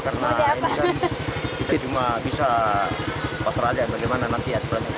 karena ini kan kita cuma bisa pasrah aja bagaimana nanti ya